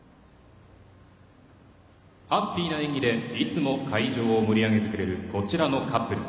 ハッピーな演技でいつも会場を盛り上げてくれるこちらのカップル。